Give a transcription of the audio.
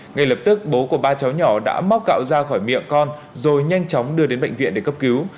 ngay lập tức bố của ba cháu nhỏ đã móc gạo ra khỏi mẹ con rồi nhanh chóng đưa đến bệnh viện để cấp cứu